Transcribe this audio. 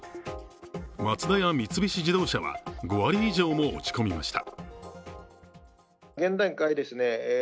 マツダや三菱自動車は５割以上も落ち込みました。